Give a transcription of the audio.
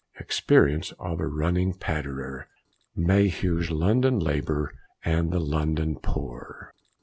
EXPERIENCE OF A RUNNING PATTERER. _Mayhew's London Labour and the London Poor.